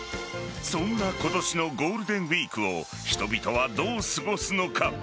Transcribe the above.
そんな今年のゴールデンウイークを人々はどう過ごすのか。